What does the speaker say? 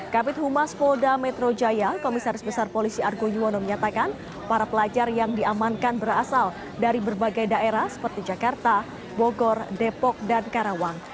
kapit humas polda metro jaya komisaris besar polisi argo yuwono menyatakan para pelajar yang diamankan berasal dari berbagai daerah seperti jakarta bogor depok dan karawang